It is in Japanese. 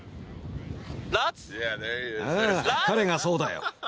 ああ彼がそうだよ。